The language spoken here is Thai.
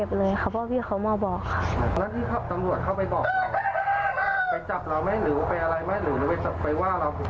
หรือไปว่าเราไปอะไรเราไหม